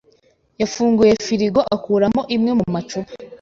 yafunguye firigo akuramo imwe mu macupa.